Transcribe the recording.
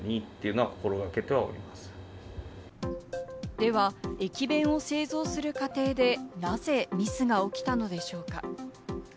では、駅弁を製造する過程で、なぜミスが起きたのでしょうか？